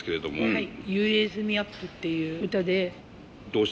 はい。